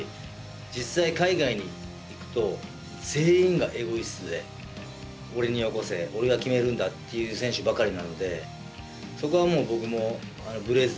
実際海外に行くと全員がエゴイストで「俺によこせ」「俺が決めるんだ」っていう選手ばかりなのでそこはもう僕もブレずに。